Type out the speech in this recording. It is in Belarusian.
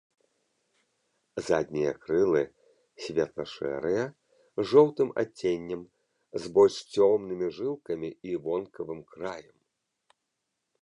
Заднія крылы светла-шэрыя, з жоўтым адценнем, з больш цёмнымі жылкамі і вонкавым краем.